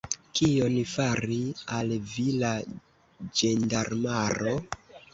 Kion faris al vi la ĝendarmaro?